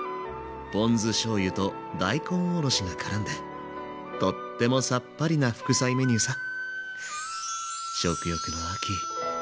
ポン酢しょうゆと大根おろしがからんでとってもさっぱりな副菜メニューさ。